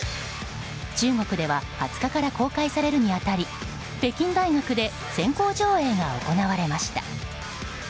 中国では２０日から公開されるに当たり北京大学で先行上映が行われました。